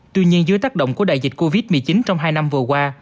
tuy nhiên dưới tác động của đại dịch covid một mươi chín trong hai năm vừa qua